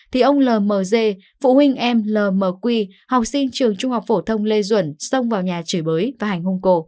thì ông l m d phụ huynh em l m quy học sinh trường trung học phổ thông lê duẩn xông vào nhà chửi bới và hành hôn cô